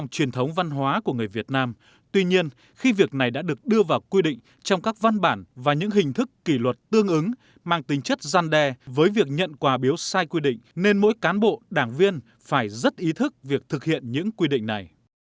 tránh việc này đã được đưa vào quy định trong các văn bản và những hình thức kỷ luật tương ứng mang tính chất gian đe với việc nhận quà biếu sai quy định nên mỗi cán bộ đảng viên phải rất ý thức việc thực hiện những quy định này